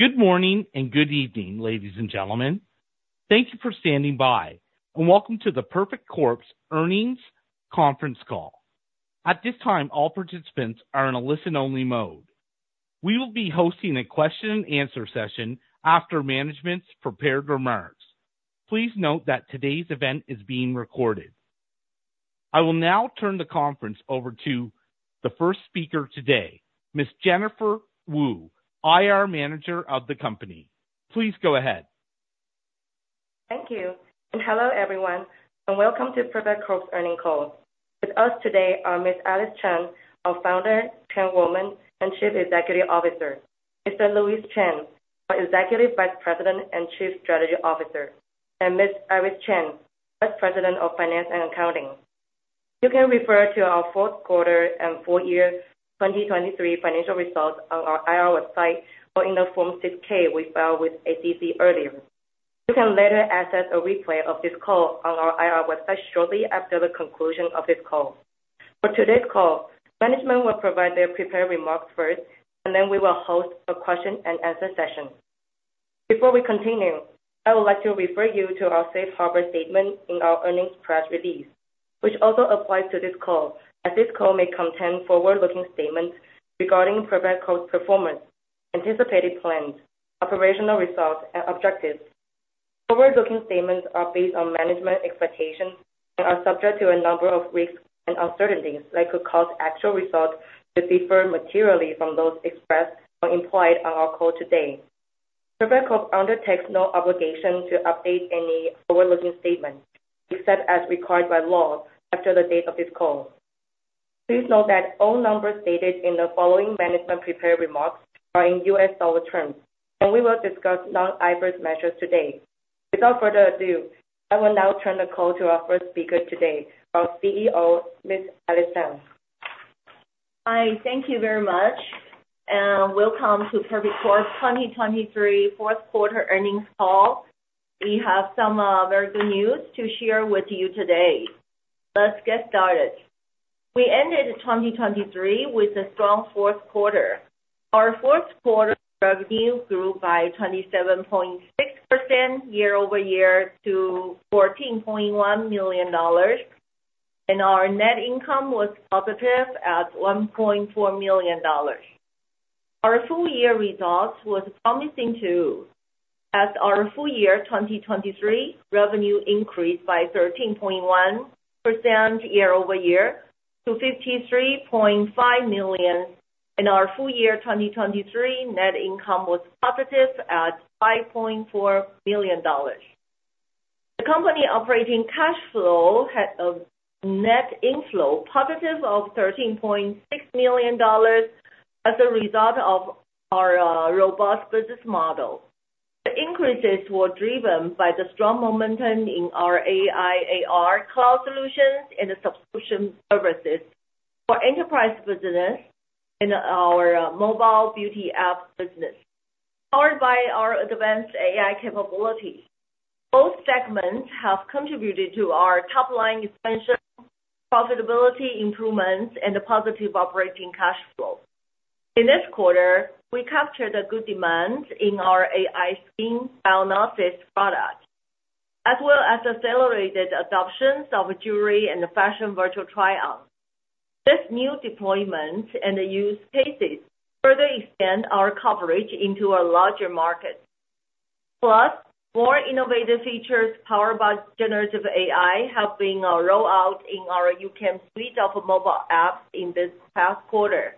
Good morning and good evening, ladies and gentlemen. Thank you for standing by, and welcome to the Perfect Corp. Earnings Conference Call. At this time, all participants are in a listen-only mode. We will be hosting a question-and-answer session after management's prepared remarks. Please note that today's event is being recorded. I will now turn the conference over to the first speaker today, Ms. Jennifer Wu, IR Manager of the company. Please go ahead. Thank you, and hello everyone, and welcome to Perfect Corp. Earnings call. With us today are Ms. Alice Chang, our Founder, Chairwoman, and Chief Executive Officer; Mr. Louis Chen, our Executive Vice President and Chief Strategy Officer; and Ms. Iris Chen, Vice President of Finance and Accounting. You can refer to our fourth quarter and full-year 2023 financial results on our IR website or in the Form 6-K we filed with the SEC earlier. You can later access a replay of this call on our IR website shortly after the conclusion of this call. For today's call, management will provide their prepared remarks first, and then we will host a question-and-answer session. Before we continue, I would like to refer you to our safe harbor statement in our earnings press release, which also applies to this call, as this call may contain forward-looking statements regarding Perfect Corp. performance, anticipated plans, operational results, and objectives. Forward-looking statements are based on management expectations and are subject to a number of risks and uncertainties that could cause actual results to differ materially from those expressed or implied on our call today. Perfect Corp. undertakes no obligation to update any forward-looking statement, except as required by law after the date of this call. Please note that all numbers stated in the following management prepared remarks are in U.S. dollar terms, and we will discuss non-GAAP measures today. Without further ado, I will now turn the call to our first speaker today, our CEO, Ms. Alice Chang. Hi, thank you very much, and welcome to Perfect Corp. 2023 fourth quarter earnings call. We have some very good news to share with you today. Let's get started. We ended 2023 with a strong fourth quarter. Our fourth quarter revenue grew by 27.6% YoY to $14.1 million, and our net income was positive at $1.4 million. Our full-year results were promising too. As our full-year 2023 revenue increased by 13.1% YoY to $53.5 million, and our full-year 2023 net income was positive at $5.4 million. The company operating cash flow had a net inflow positive of $13.6 million as a result of our robust business model. The increases were driven by the strong momentum in our AI/AR Cloud Solutions and Subscription services for enterprise business and our Mobile Beauty App business. Powered by our advanced AI capabilities, both segments have contributed to our top-line expansion, profitability improvements, and positive operating cash flow. In this quarter, we captured a good demand in our AI skin diagnosis product, as well as accelerated adoptions of jewelry and fashion virtual try-on. This new deployment and use cases further expand our coverage into a larger market. Plus, more innovative features powered by generative AI have been rolled out in our YouCam suite of mobile apps in this past quarter.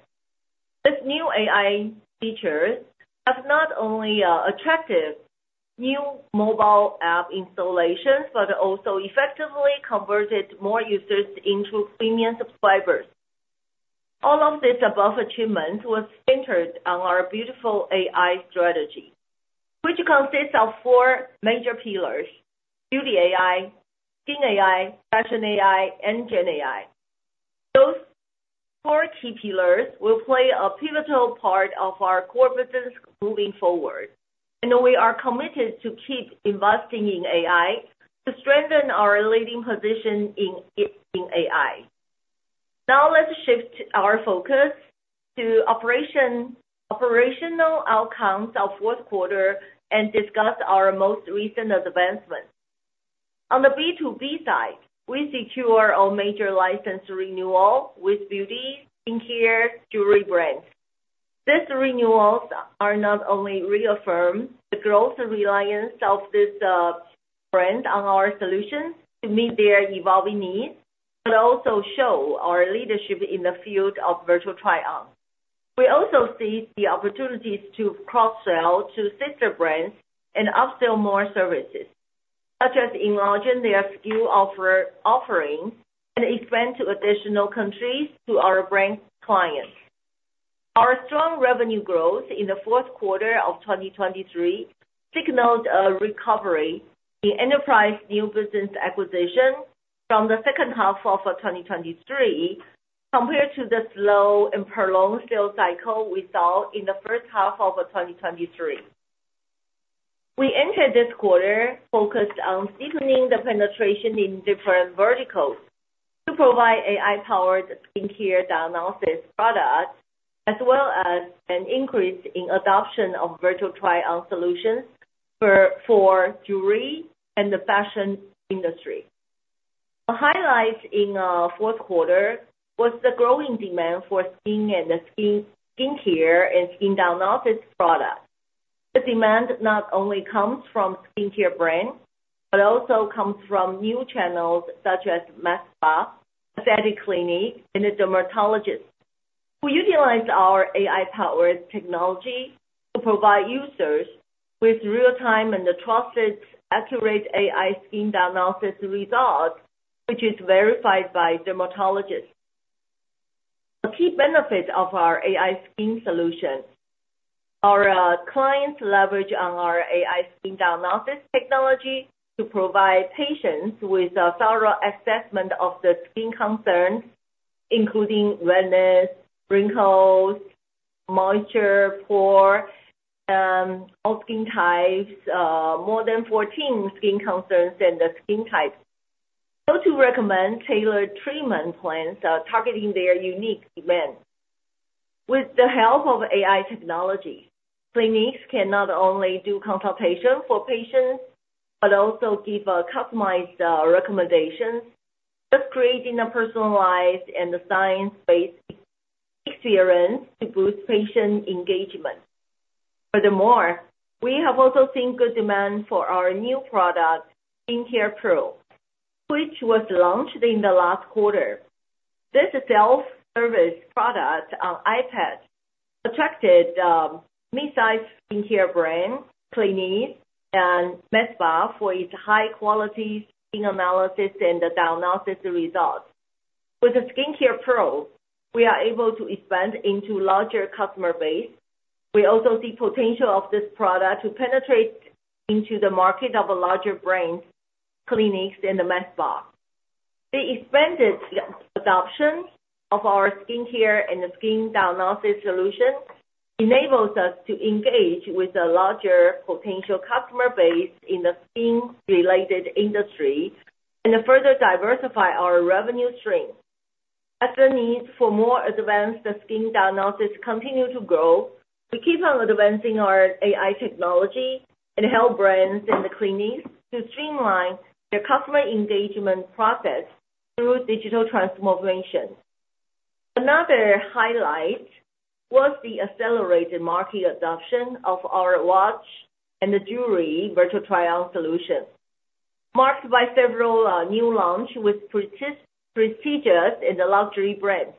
This new AI feature has not only attracted new mobile app installations but also effectively converted more users into premium subscribers. All of this above achievement was centered on our Beautiful AI strategy, which consists of four major pillars: Beauty AI, Skin AI, Fashion AI, and Gen AI. Those four key pillars will play a pivotal part of our core business moving forward, and we are committed to keep investing in AI to strengthen our leading position in AI. Now let's shift our focus to operational outcomes of fourth quarter and discuss our most recent advancements. On the B2B side, we secured a major license renewal with beauty, skincare, jewelry brands. These renewals not only reaffirm the growth reliance of this brand on our solutions to meet their evolving needs but also show our leadership in the field of virtual try-on. We also see the opportunities to cross-sell to sister brands and upsell more services, such as enlarging their SKU offering and expand to additional countries to our brand clients. Our strong revenue growth in the fourth quarter of 2023 signaled a recovery in enterprise new business acquisition from the second half of 2023 compared to the slow and prolonged sales cycle we saw in the first half of 2023. We entered this quarter focused on deepening the penetration in different verticals to provide AI-powered skincare diagnosis products as well as an increase in adoption of virtual try-on solutions for jewelry and the fashion industry. A highlight in fourth quarter was the growing demand for skincare and skin diagnosis products. The demand not only comes from skincare brands but also comes from new channels such as makeup, aesthetic clinic, and dermatologists who utilize our AI-powered technology to provide users with real-time and trusted, accurate AI skin diagnosis results, which is verified by dermatologists. A key benefit of our AI skin solution: our clients leverage our AI skin diagnosis technology to provide patients with a thorough assessment of the skin concerns, including redness, wrinkles, moisture, pore, all skin types, more than 14 skin concerns and skin types. Those who recommend tailored treatment plans targeting their unique demands. With the help of AI technology, clinics can not only do consultations for patients but also give customized recommendations, thus creating a personalized and science-based experience to boost patient engagement. Furthermore, we have also seen good demand for our new product, Skincare Pro, which was launched in the last quarter. This self-service product on iPad attracted midsize skincare brands, clinics, and makeup for its high-quality skin analysis and diagnosis results. With Skincare Pro, we are able to expand into a larger customer base. We also see the potential of this product to penetrate into the market of larger brands, clinics, and makeup. The expanded adoption of our skincare and skin diagnosis solution enables us to engage with a larger potential customer base in the skin-related industry and further diversify our revenue stream. As the need for more advanced skin diagnosis continues to grow, we keep on advancing our AI technology and help brands and clinics to streamline their customer engagement process through digital transformation. Another highlight was the accelerated market adoption of our Watch and Jewelry Virtual Try On solutions, marked by several new launches with prestigious and luxury brands.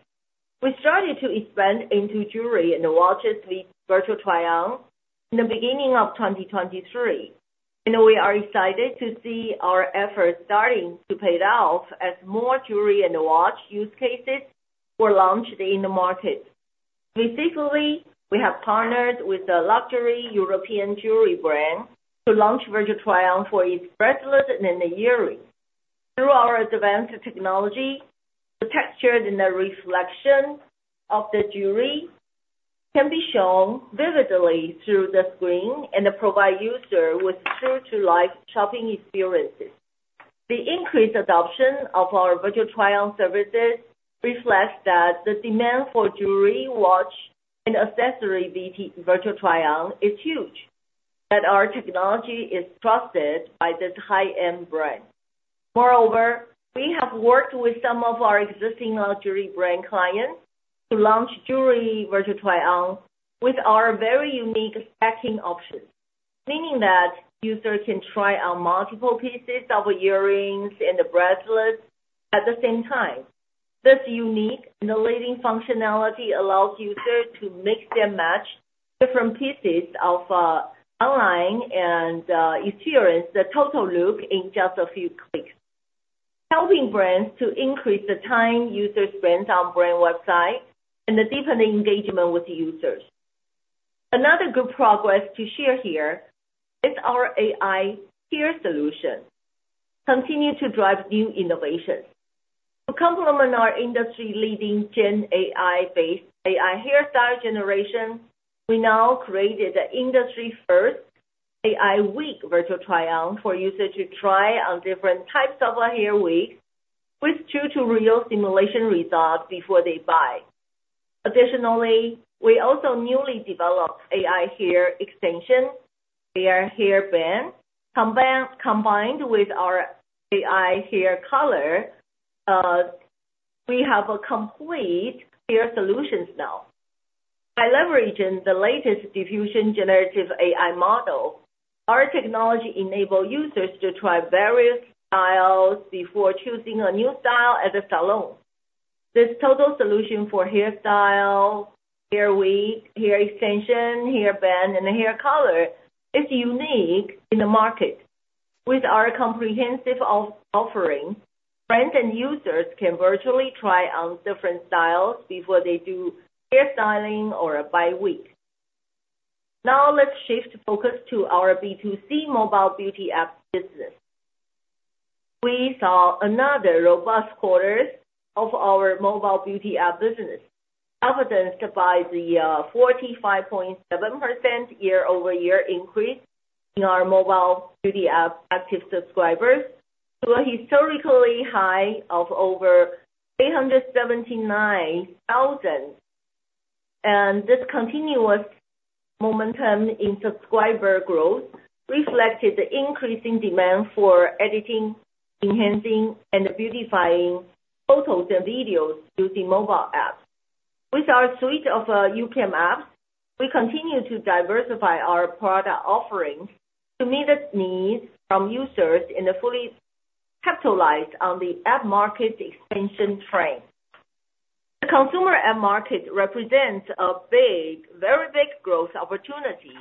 We started to expand into jewelry and watches with virtual try-on in the beginning of 2023, and we are excited to see our efforts starting to pay off as more jewelry and watch use cases were launched in the market. Specifically, we have partnered with a luxury European jewelry brand to launch virtual try-on for its bracelets and earrings. Through our advanced technology, the texture and the reflection of the jewelry can be shown vividly through the screen and provide users with true-to-life shopping experiences. The increased adoption of our virtual try-on services reflects that the demand for jewelry, watch, and accessory virtual try-on is huge, that our technology is trusted by this high-end brand. Moreover, we have worked with some of our existing luxury brand clients to launch jewelry virtual try-on with our very unique stacking options, meaning that users can try on multiple pieces of earrings and bracelets at the same time. This unique and leading functionality allows users to mix and match different pieces online and experience the total look in just a few clicks, helping brands to increase the time users spend on brand websites and deepen engagement with users. Another good progress to share here is our AI Hair solution, continuing to drive new innovations. To complement our industry-leading Gen AI-based AI hairstyle generation, we now created the industry-first AI wig virtual try-on for users to try on different types of hair wigs with true-to-life simulation results before they buy. Additionally, we also newly developed AI hair extension, AI hair band. Combined with our AI hair color, we have a complete hair solution now. By leveraging the latest diffusion generative AI model, our technology enables users to try various styles before choosing a new style at a salon. This total solution for hairstyle, hair wig, hair extension, hair band, and hair color is unique in the market. With our comprehensive offering, brands and users can virtually try on different styles before they do hair styling or a buy wig. Now let's shift focus to our B2C mobile beauty app business. We saw another robust quarter of our mobile beauty app business, evidenced by the 45.7% YoY increase in our mobile beauty app active subscribers to a historically high of over 879,000. This continuous momentum in subscriber growth reflected the increasing demand for editing, enhancing, and beautifying photos and videos using mobile apps. With our suite of YouCam apps, we continue to diversify our product offerings to meet the needs from users and fully capitalize on the app market expansion trend. The consumer app market represents a very big growth opportunity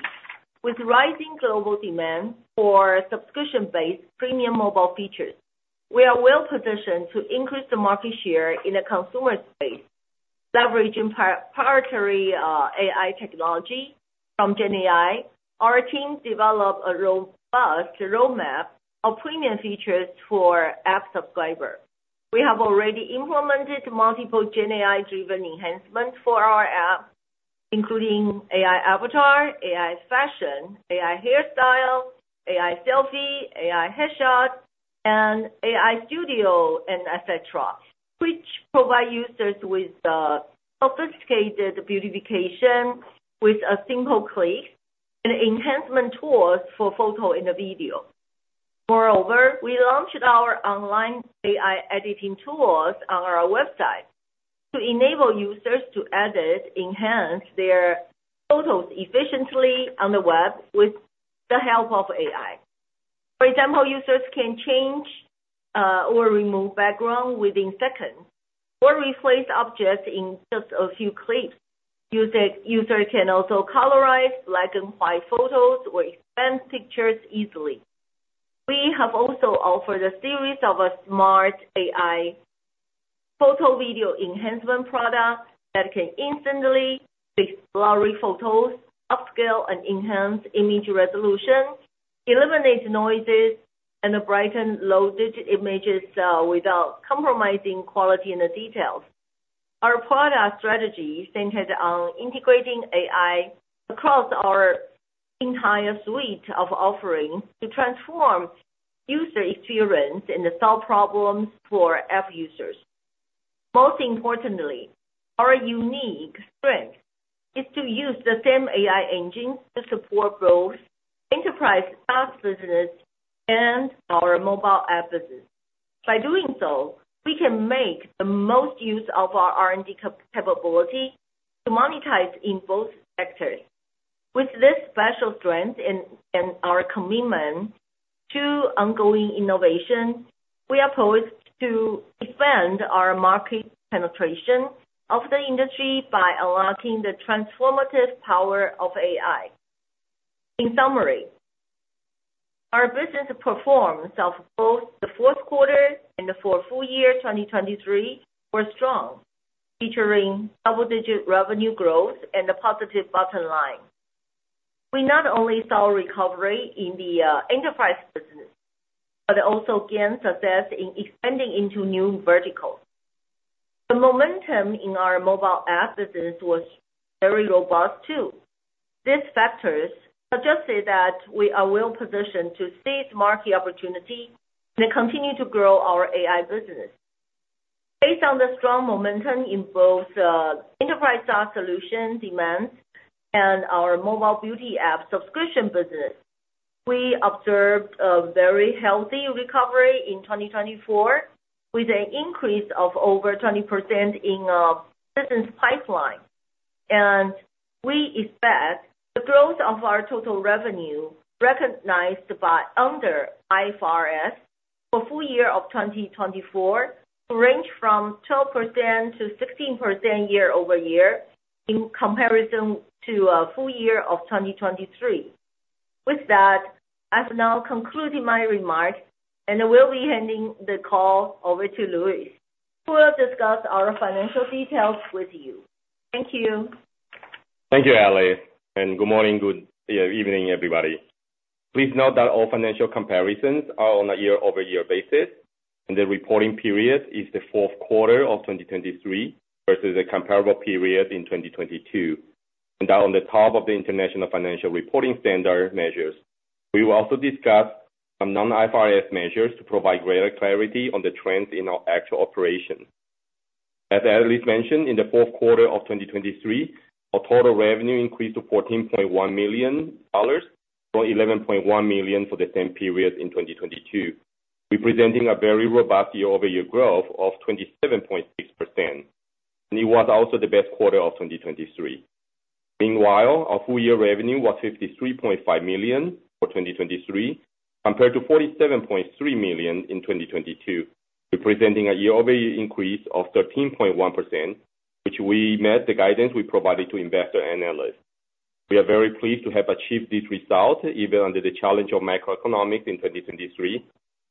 with rising global demand for subscription-based premium mobile features. We are well positioned to increase the market share in the consumer space, leveraging proprietary AI technology from Gen AI. Our team developed a robust roadmap of premium features for app subscribers. We have already implemented multiple Gen AI-driven enhancements for our apps, including AI avatar, AI fashion, AI hairstyle, AI selfie, AI headshot, and AI studio, etc., which provide users with sophisticated beautification with simple clicks and enhancement tools for photo and video. Moreover, we launched our online AI editing tools on our website to enable users to edit, enhance their photos efficiently on the web with the help of AI. For example, users can change or remove backgrounds within seconds or replace objects in just a few clicks. Users can also colorize black and white photos or expand pictures easily. We have also offered a series of smart AI photo/video enhancement products that can instantly pick blurry photos, upscale and enhance image resolution, eliminate noises, and brighten loaded images without compromising quality and details. Our product strategy centered on integrating AI across our entire suite of offerings to transform user experience and solve problems for app users. Most importantly, our unique strength is to use the same AI engines to support both enterprise SaaS business and our mobile app business. By doing so, we can make the most use of our R&D capability to monetize in both sectors. With this special strength and our commitment to ongoing innovation, we are poised to defend our market penetration of the industry by unlocking the transformative power of AI. In summary, our business performance of both the fourth quarter and the full year 2023 were strong, featuring double-digit revenue growth and a positive bottom line. We not only saw recovery in the enterprise business but also gained success in expanding into new verticals. The momentum in our mobile app business was very robust too. These factors suggested that we are well positioned to seize market opportunities and continue to grow our AI business. Based on the strong momentum in both enterprise SaaS solution demands and our mobile beauty app subscription business, we observed a very healthy recovery in 2024 with an increase of over 20% in business pipeline. We expect the growth of our total revenue recognized under IFRS for the full year of 2024 to range from 12%-16% YoY in comparison to the full year of 2023. With that, I will now conclude my remarks and I will be handing the call over to Louis, who will discuss our financial details with you. Thank you. Thank you, Alice. And good morning, good evening, everybody. Please note that all financial comparisons are on a year-over-year basis, and the reporting period is the fourth quarter of 2023 versus a comparable period in 2022. And that, on top of the International Financial Reporting Standards measures, we will also discuss some non-IFRS measures to provide greater clarity on the trends in our actual operations. As Alice mentioned, in the fourth quarter of 2023, our total revenue increased to $14.1 million from $11.1 million for the same period in 2022, representing a very robust year-over-year growth of 27.6%. And it was also the best quarter of 2023. Meanwhile, our full year revenue was $53.5 million for 2023 compared to $47.3 million in 2022, representing a year-over-year increase of 13.1%, which met the guidance we provided to investor analysts. We are very pleased to have achieved this result even under the challenge of macroeconomics in 2023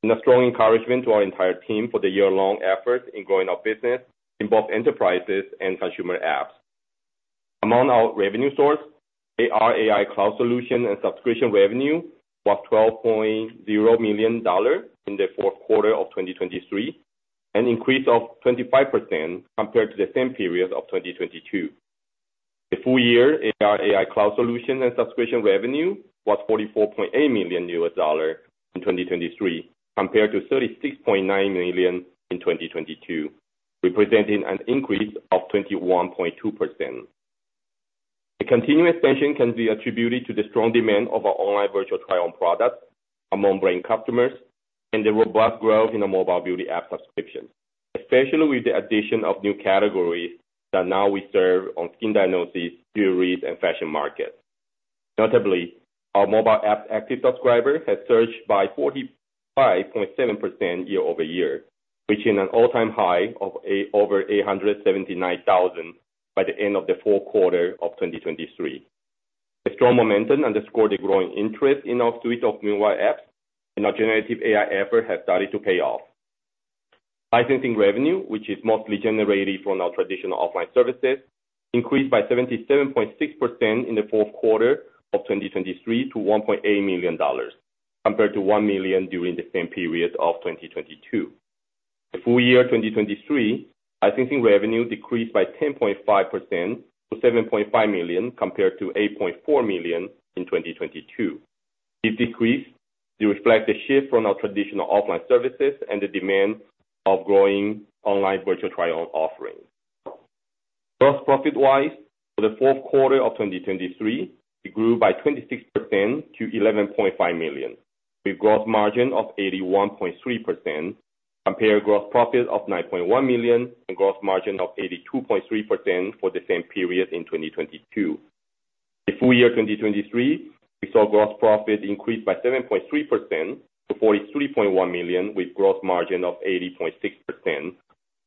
and a strong encouragement to our entire team for the year-long efforts in growing our business in both enterprises and consumer apps. Among our revenue sources, AR AI Cloud Solution and subscription revenue was $12.0 million in the fourth quarter of 2023, an increase of 25% compared to the same period of 2022. The full year AR/AI Cloud Solution and subscription revenue was $44.8 million in 2023 compared to $36.9 million in 2022, representing an increase of 21.2%. The continuous tension can be attributed to the strong demand of our online virtual try-on products among brand customers and the robust growth in our mobile beauty app subscriptions, especially with the addition of new categories that now we serve on skin diagnosis, jewelry, and fashion markets. Notably, our mobile app active subscribers have surged by 45.7% YoY, reaching an all-time high of over 879,000 by the end of the fourth quarter of 2023. The strong momentum underscores the growing interest in our suite of mobile apps, and our generative AI efforts have started to pay off. Licensing revenue, which is mostly generated from our traditional offline services, increased by 77.6% in the fourth quarter of 2023 to $1.8 million compared to $1 million during the same period of 2022. The full year 2023, licensing revenue decreased by 10.5% to $7.5 million compared to $8.4 million in 2022. This decrease reflects the shift from our traditional offline services and the demand of growing online virtual try-on offerings. Gross profit-wise, for the fourth quarter of 2023, it grew by 26% to $11.5 million, with a gross margin of 81.3% compared to a gross profit of $9.1 million and a gross margin of 82.3% for the same period in 2022. The full year 2023, we saw gross profit increase by 7.3% to $43.1 million, with a gross margin of 80.6%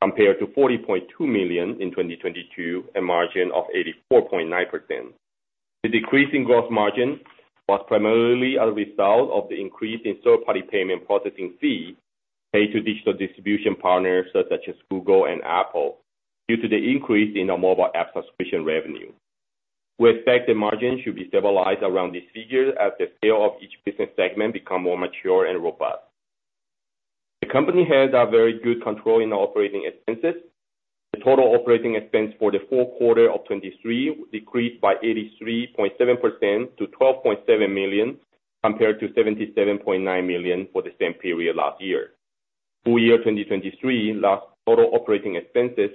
compared to $40.2 million in 2022 and a margin of 84.9%. The decrease in gross margin was primarily a result of the increase in third-party payment processing fees paid to digital distribution partners such as Google and Apple due to the increase in our mobile app subscription revenue. We expect the margin should be stabilized around this figure as the scale of each business segment becomes more mature and robust. The company has very good control in our operating expenses. The total operating expense for the fourth quarter of 2023 decreased by 83.7% to $12.7 million compared to $77.9 million for the same period last year. Full year 2023, total operating expenses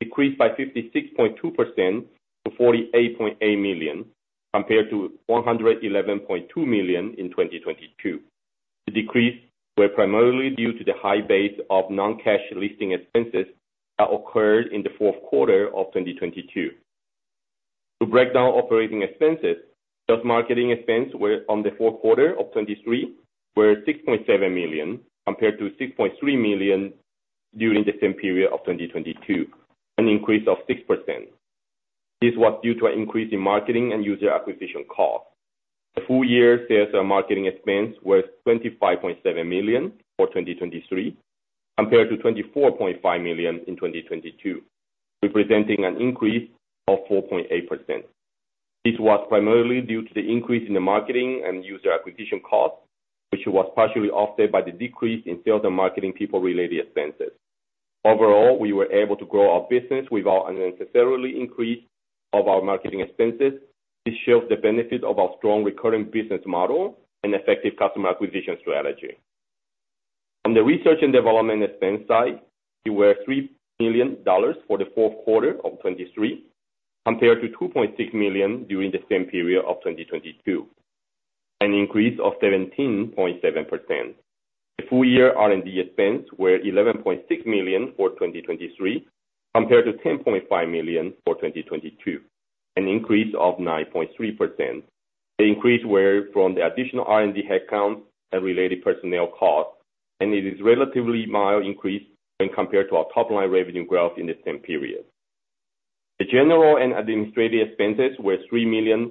decreased by 56.2% to $48.8 million compared to $111.2 million in 2022. The decrease was primarily due to the high base of non-cash listing expenses that occurred in the fourth quarter of 2022. To break down operating expenses, sales and marketing expenses on the fourth quarter of 2023 were $6.7 million compared to $6.3 million during the same period of 2022, an increase of 6%. This was due to an increase in marketing and user acquisition costs. The full year sales and marketing expenses were $25.7 million for 2023 compared to $24.5 million in 2022, representing an increase of 4.8%. This was primarily due to the increase in the marketing and user acquisition costs, which was partially offset by the decrease in sales and marketing people-related expenses. Overall, we were able to grow our business without unnecessarily increasing our marketing expenses. This shows the benefit of our strong recurring business model and effective customer acquisition strategy. On the research and development expense side, it was $3 million for the fourth quarter of 2023 compared to $2.6 million during the same period of 2022, an increase of 17.7%. The full year R&D expenses were $11.6 million for 2023 compared to $10.5 million for 2022, an increase of 9.3%. The increase was from the additional R&D headcount and related personnel costs, and it is a relatively mild increase when compared to our top-line revenue growth in the same period. The general and administrative expenses were $3 million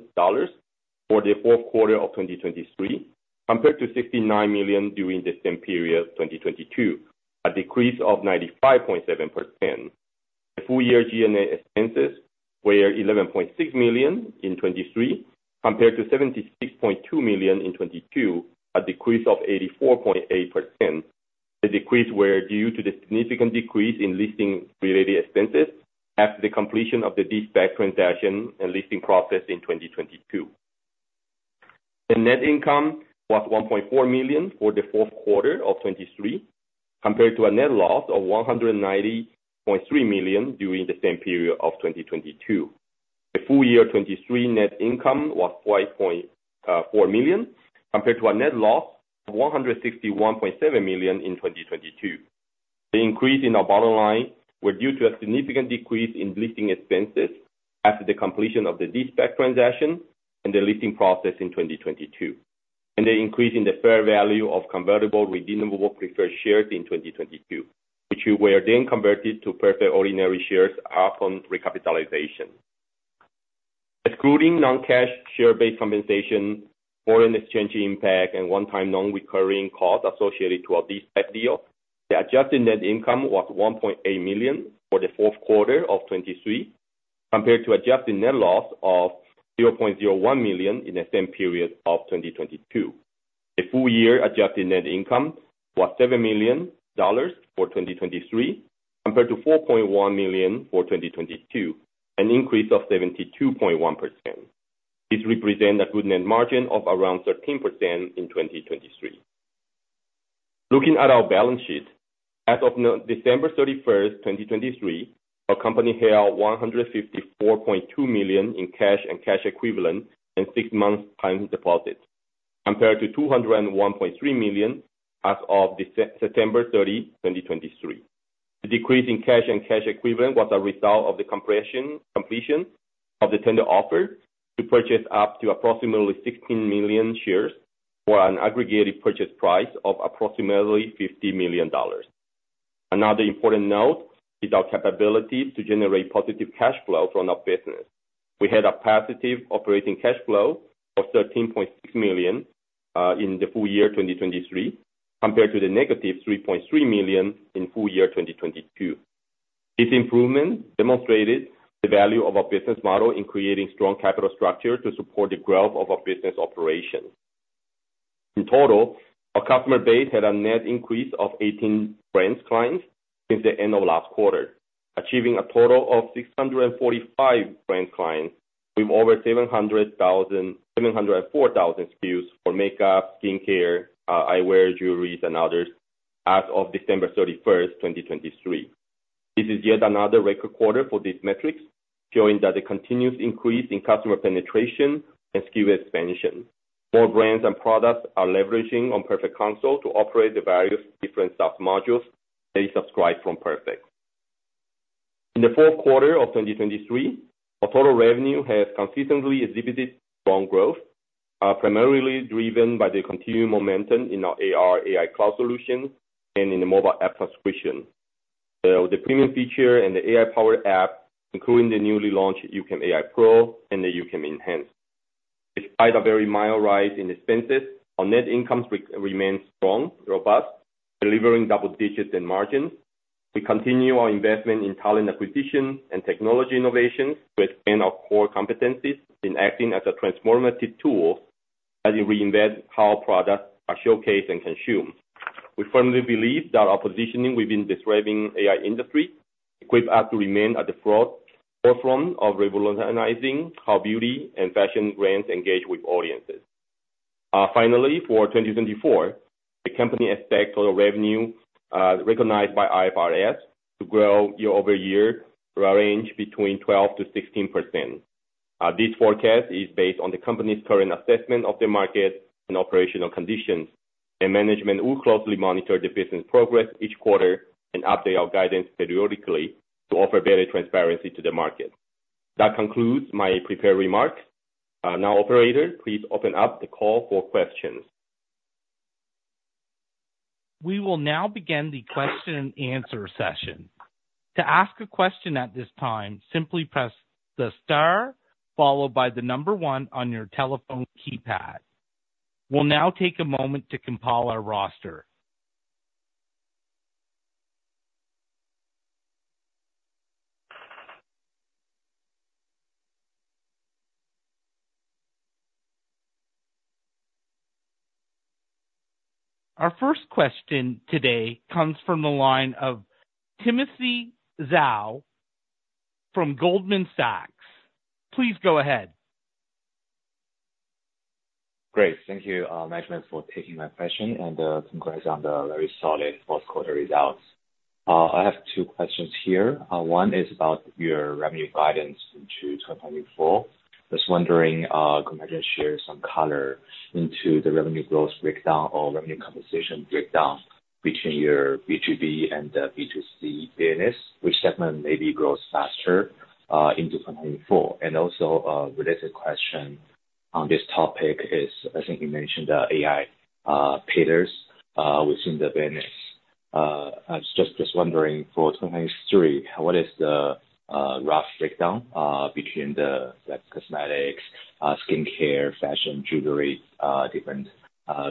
for the fourth quarter of 2023 compared to $69 million during the same period of 2022, a decrease of 95.7%. The full year G&A expenses were $11.6 million in 2023 compared to $76.2 million in 2022, a decrease of 84.8%. The decrease was due to the significant decrease in listing-related expenses after the completion of the SPAC transaction and listing process in 2022. The net income was $1.4 million for the fourth quarter of 2023 compared to a net loss of $190.3 million during the same period of 2022. The full year 2023 net income was $5.4 million compared to a net loss of $161.7 million in 2022. The increase in our bottom line was due to a significant decrease in listing expenses after the completion of the de-SPAC transaction and the listing process in 2022, and the increase in the fair value of convertible redeemable preferred shares in 2022, which were then converted to Perfect ordinary shares upon recapitalization. Excluding non-cash share-based compensation, foreign exchange impact, and one-time non-recurring costs associated to our de-SPAC deal, the adjusted net income was $1.8 million for the fourth quarter of 2023 compared to adjusted net loss of $0.01 million in the same period of 2022. The full year adjusted net income was $7 million for 2023 compared to $4.1 million for 2022, an increase of 72.1%. This represents a good net margin of around 13% in 2023. Looking at our balance sheet, as of December 31st, 2023, our company held $154.2 million in cash and cash equivalents and six-month time deposits compared to $201.3 million as of September 30, 2023. The decrease in cash and cash equivalents was a result of the completion of the tender offer to purchase up to approximately 16 million shares for an aggregate purchase price of approximately $50 million. Another important note is our capability to generate positive cash flow from our business. We had a positive operating cash flow of $13.6 million in the full year 2023 compared to the negative $3.3 million in full year 2022. This improvement demonstrated the value of our business model in creating strong capital structure to support the growth of our business operations. In total, our customer base had a net increase of 18 brand clients since the end of last quarter, achieving a total of 645 brand clients with over 704,000 SKUs for makeup, skincare, eyewear, jewelry, and others as of December 31st, 2023. This is yet another record quarter for these metrics, showing that the continuous increase in customer penetration and SKU expansion. More brands and products are leveraging on Perfect Console to operate the various different SaaS modules that are subscribed from Perfect. In the fourth quarter of 2023, our total revenue has consistently exhibited strong growth, primarily driven by the continued momentum in our AR AI Cloud Solution and in the mobile app subscription, the premium feature and the AI-powered app, including the newly launched YouCam AI Pro and the YouCam Enhance. Despite a very mild rise in expenses, our net income remains strong, robust, delivering double-digit net margins. We continue our investment in talent acquisition and technology innovations to expand our core competencies in acting as a transformative tool as it reinvents how products are showcased and consumed. We firmly believe that our positioning within this driving AI industry equips us to remain at the forefront of revitalizing how beauty and fashion brands engage with audiences. Finally, for 2024, the company expects total revenue recognized by IFRS to grow year-over-year to a range between 12%-16%. This forecast is based on the company's current assessment of the market and operational conditions, and management will closely monitor the business progress each quarter and update our guidance periodically to offer better transparency to the market. That concludes my prepared remarks. Now, operator, please open up the call for questions. We will now begin the question-and-answer session. To ask a question at this time, simply press the star followed by the number one on your telephone keypad. We'll now take a moment to compile our roster. Our first question today comes from the line of Timothy Zhao from Goldman Sachs. Please go ahead. Great. Thank you, management, for taking my question and congrats on the very solid fourth-quarter results. I have two questions here. One is about your revenue guidance into 2024. I was wondering, could you share some color into the revenue growth breakdown or revenue composition breakdown between your B2B and B2C business, which segment maybe grows faster in 2024? And also, a related question on this topic is, I think you mentioned the AI pillars within the business. I was just wondering, for 2023, what is the rough breakdown between the cosmetics, skincare, fashion, jewelry, different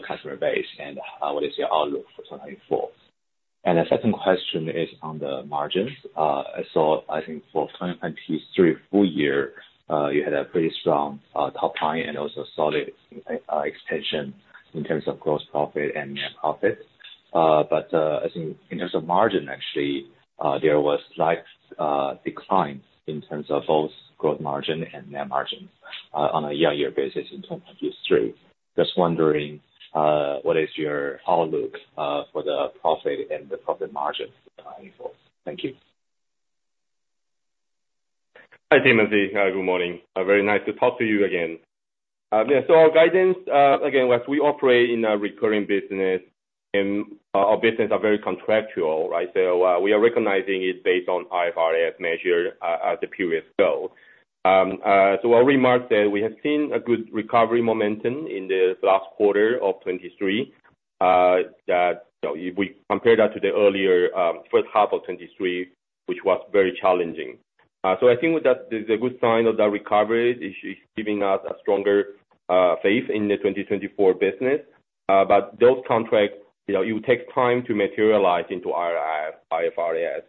customer base, and what is your outlook for 2024? And the second question is on the margins. I saw, I think, for 2023 full year, you had a pretty strong top line and also solid expansion in terms of gross profit and net profit. I think in terms of margin, actually, there was slight decline in terms of both gross margin and net margin on a year-over-year basis in 2023. Just wondering, what is your outlook for the profit and the profit margin for 2024? Thank you. Hi, Timothy. Good morning. Very nice to talk to you again. Yeah, so our guidance, again, as we operate in a recurring business and our business is very contractual, right? So we are recognizing it based on IFRS measured at the previous goal. So our remarks that we have seen a good recovery momentum in the last quarter of 2023 that if we compare that to the earlier first half of 2023, which was very challenging. So I think that the good sign of that recovery is giving us a stronger faith in the 2024 business. But those contracts, it will take time to materialize into IFRS.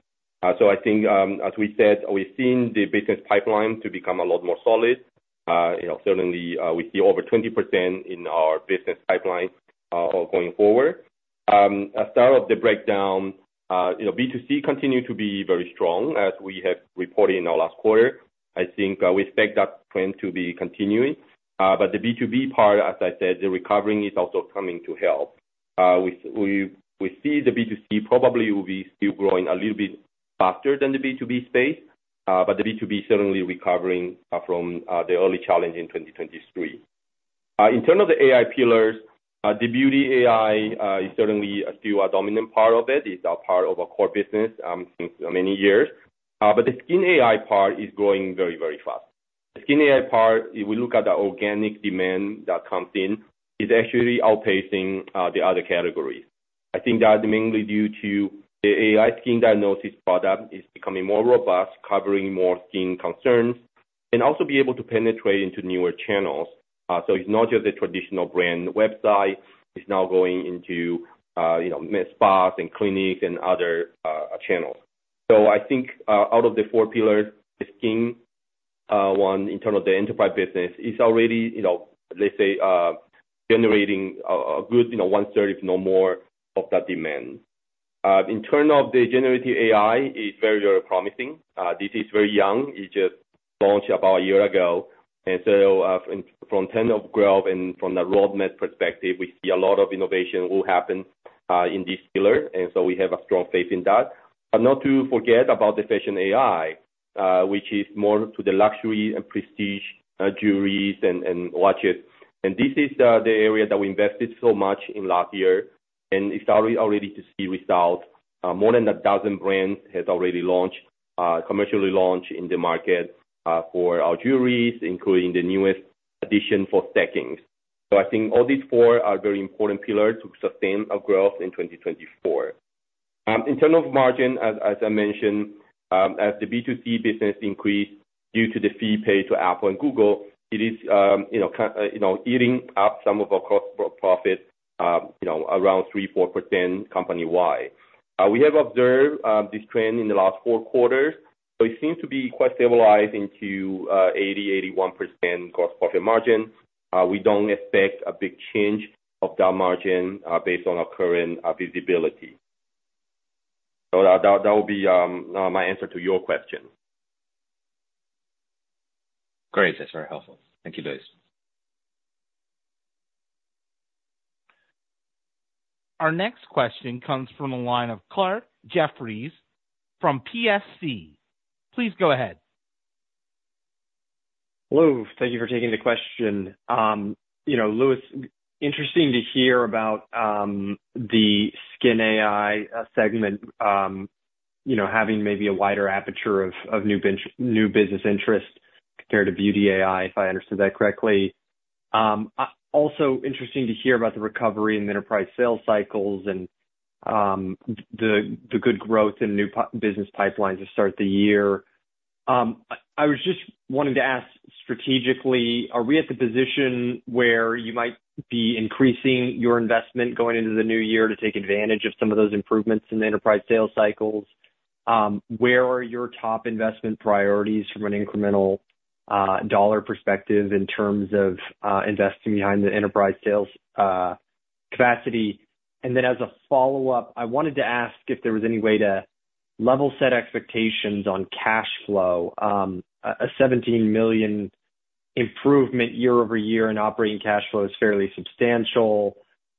So I think, as we said, we've seen the business pipeline to become a lot more solid. Certainly, we see over 20% in our business pipeline going forward. As part of the breakdown, B2C continues to be very strong as we have reported in our last quarter. I think we expect that trend to be continuing. But the B2B part, as I said, the recovering is also coming to help. We see the B2C probably will be still growing a little bit faster than the B2B space, but the B2B is certainly recovering from the early challenge in 2023. In terms of the AI pillars, the beauty AI is certainly still a dominant part of it. It's a part of our core business since many years. But the skin AI part is growing very, very fast. The skin AI part, if we look at the organic demand that comes in, is actually outpacing the other categories. I think that's mainly due to the AI skin diagnosis product is becoming more robust, covering more skin concerns, and also being able to penetrate into newer channels. So it's not just a traditional brand website. It's now going into spas and clinics and other channels. So I think out of the four pillars, the skin one in terms of the enterprise business is already, let's say, generating a good one-third, if no more, of that demand. In terms of the generative AI, it's very, very promising. This is very young. It just launched about a year ago. So from the end of growth and from the roadmap perspective, we see a lot of innovation will happen in this pillar. So we have a strong faith in that. But not to forget about the fashion AI, which is more to the luxury and prestige jewelry and watches. This is the area that we invested so much in last year, and it's already to see results. More than a dozen brands have already launched, commercially launched in the market for our jewelries, including the newest addition for stackings. So I think all these four are very important pillars to sustain our growth in 2024. In terms of margin, as I mentioned, as the B2C business increased due to the fee paid to Apple and Google, it is eating up some of our gross profit around 3%-4% company-wide. We have observed this trend in the last four quarters. So it seems to be quite stabilized into 80%-81% gross profit margin. We don't expect a big change of that margin based on our current visibility. So that will be my answer to your question. Great. That's very helpful. Thank you, guys. Our next question comes from the line of Clarke Jeffries from PSC. Please go ahead. Hello. Thank you for taking the question. Louis, interesting to hear about the skin AI segment having maybe a wider aperture of new business interest compared to beauty AI, if I understood that correctly. Also, interesting to hear about the recovery in the enterprise sales cycles and the good growth in new business pipelines to start the year. I was just wanting to ask strategically, are we at the position where you might be increasing your investment going into the new year to take advantage of some of those improvements in the enterprise sales cycles? Where are your top investment priorities from an incremental dollar perspective in terms of investing behind the enterprise sales capacity? And then as a follow-up, I wanted to ask if there was any way to level set expectations on cash flow. A $17 million improvement year-over-year in operating cash flow is fairly substantial.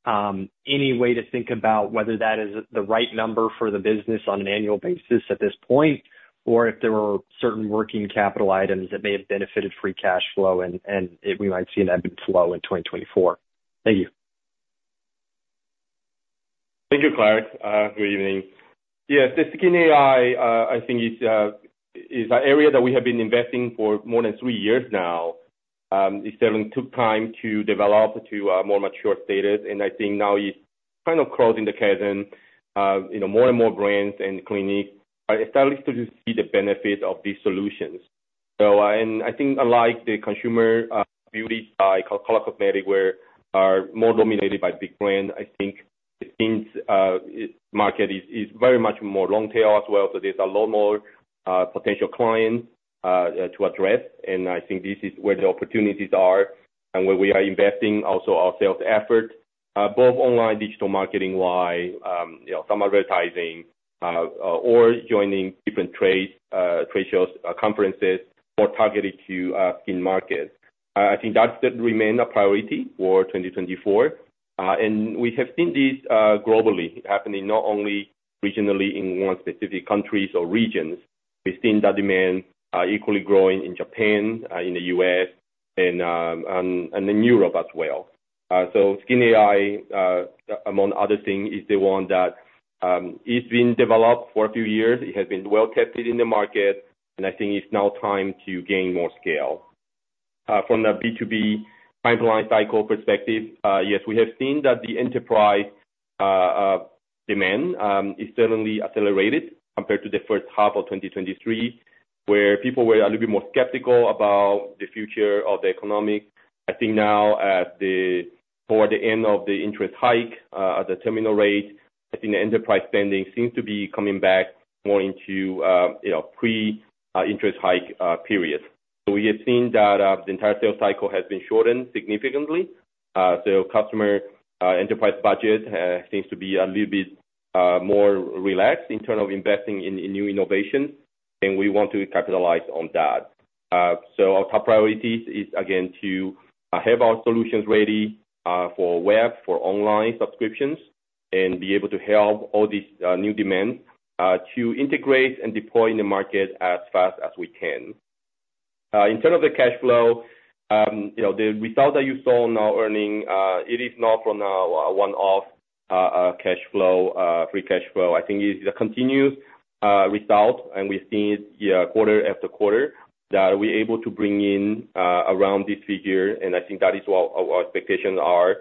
Any way to think about whether that is the right number for the business on an annual basis at this point or if there were certain working capital items that may have benefited free cash flow and we might see an ebb and flow in 2024? Thank you. Thank you, Clarke. Good evening. Yes, the skin AI, I think, is an area that we have been investing for more than three years now. It certainly took time to develop to a more mature status. And I think now it's kind of closing the chasm. More and more brands and clinics are starting to see the benefits of these solutions. And I think unlike the consumer beauty by color cosmetics, where they are more dominated by big brands, I think the skin market is very much more long-tail as well. So there's a lot more potential clients to address. And I think this is where the opportunities are and where we are investing also our sales effort, both online digital marketing-wide, some advertising, or joining different trade shows, conferences more targeted to skin markets. I think that remains a priority for 2024. We have seen this globally happening, not only regionally in one specific country or regions. We've seen that demand equally growing in Japan, in the U.S., and in Europe as well. Skin AI, among other things, is the one that is being developed for a few years. It has been well tested in the market. I think it's now time to gain more scale. From the B2B pipeline cycle perspective, yes, we have seen that the enterprise demand is certainly accelerated compared to the first half of 2023, where people were a little bit more skeptical about the future of the economy. I think now, toward the end of the interest hike at the terminal rate, I think the enterprise spending seems to be coming back more into pre-interest hike periods. We have seen that the entire sales cycle has been shortened significantly. So customer enterprise budget seems to be a little bit more relaxed in terms of investing in new innovations. And we want to capitalize on that. So our top priorities is, again, to have our solutions ready for web, for online subscriptions, and be able to help all these new demands to integrate and deploy in the market as fast as we can. In terms of the cash flow, the result that you saw now earning, it is not from a one-off cash flow, free cash flow. I think it's a continuous result. And we've seen it quarter after quarter that we're able to bring in around this figure. And I think that is what our expectations are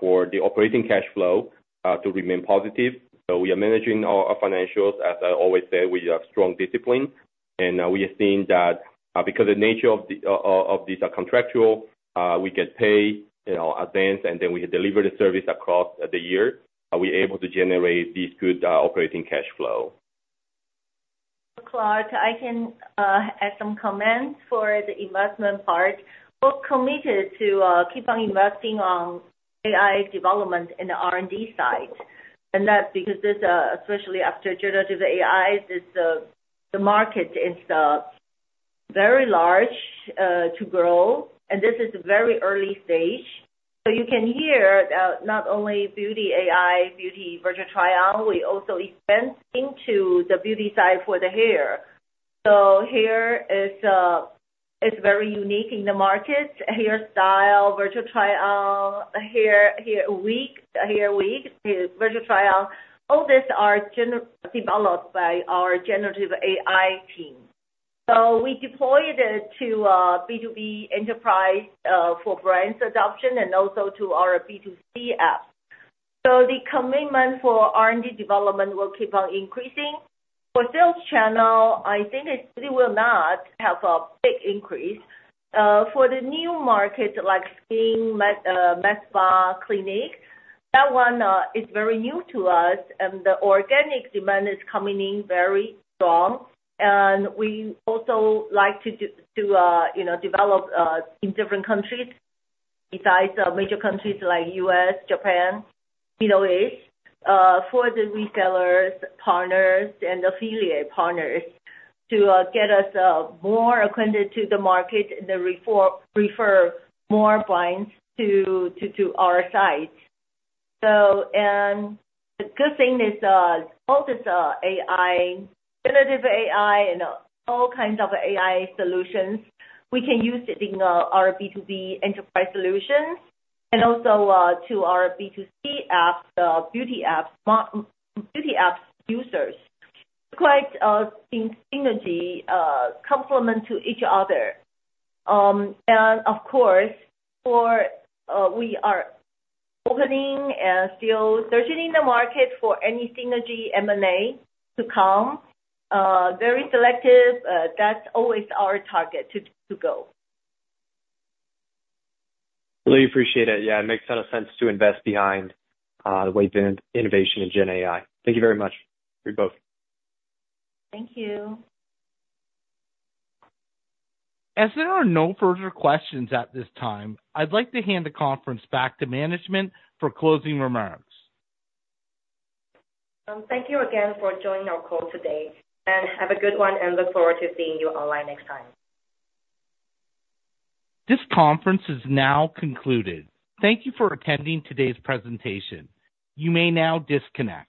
for the operating cash flow to remain positive. So we are managing our financials. As I always said, we have strong discipline. We have seen that because of the nature of this contractual, we get paid advance, and then we deliver the service across the year, we're able to generate this good operating cash flow. So, Clarke, I can add some comments for the investment part. We're committed to keep on investing on AI development in the R&D side. And that's because especially after generative AI, the market is very large to grow. And this is a very early stage. So you can hear that not only beauty AI, beauty virtual try-on, we also expand into the beauty side for the hair. So hair is very unique in the market. Hairstyle, virtual try-on, hair wig, hair wig, virtual try-on, all these are developed by our generative AI team. So we deployed it to B2B enterprise for brands adoption and also to our B2C apps. So the commitment for R&D development will keep on increasing. For sales channel, I think it still will not have a big increase. For the new market like skin, med spa, clinic, that one is very new to us. The organic demand is coming in very strong. We also like to develop in different countries besides major countries like U.S., Japan, Middle East, for the resellers, partners, and affiliate partners to get us more acquainted to the market and refer more brands to our site. The good thing is all this AI, generative AI, and all kinds of AI solutions, we can use it in our B2B enterprise solutions and also to our B2C apps, beauty apps users. It's quite a synergy, complement to each other. Of course, we are opening and still searching in the market for any synergy M&A to come. Very selective. That's always our target to go. Really appreciate it. Yeah, it makes a lot of sense to invest behind the wave of innovation in Gen AI. Thank you very much for you both. Thank you. As there are no further questions at this time, I'd like to hand the conference back to management for closing remarks. Thank you again for joining our call today. Have a good one, and look forward to seeing you online next time. This conference is now concluded. Thank you for attending today's presentation. You may now disconnect.